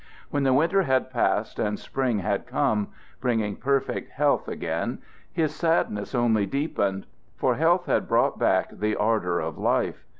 When the winter had passed and spring had come, bringing perfect health again, this sadness only deepened. For health had brought back the ardor of life.